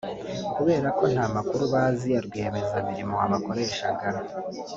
Kubera ko nta makuru bazi ya rwiyemezamirimo wabakoreshaga